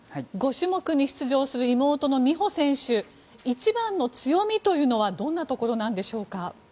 ５種目に出場する妹の美帆選手一番の強みはどんなところなんでしょうか。